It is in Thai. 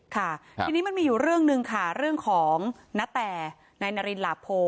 ค่ะทีนี้มันมีอยู่เรื่องหนึ่งค่ะเรื่องของณแต่นายนารินหลาโพ